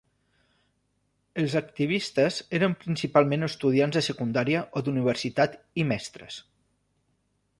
Els activistes eren principalment estudiants de secundària o d'universitat i mestres.